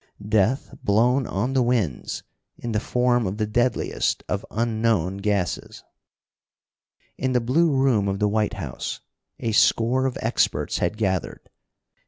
Death blown on the winds, in the form of the deadliest of unknown gases. In the Blue Room of the White House a score of experts had gathered.